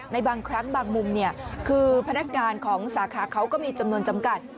ในบางครั้งบางมุมคือพนักงานของสาขาเขาก็มีจำนวนจำกัด